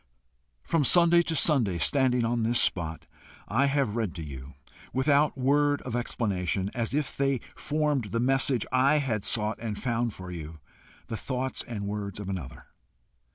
From Sunday to Sunday, standing on this spot, I have read to you, without word of explanation, as if they formed the message I had sought and found for you, the thoughts and words of another.